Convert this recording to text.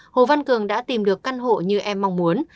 hồ văn cường đã tìm được căn hộ như em mong muốn